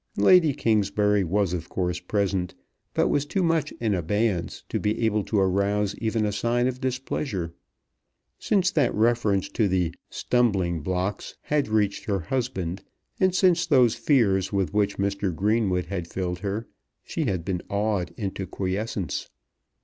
Lady Kingsbury was of course present; but was too much in abeyance to be able to arouse even a sign of displeasure. Since that reference to the "stumbling blocks" had reached her husband, and since those fears with which Mr. Greenwood had filled her, she had been awed into quiescence.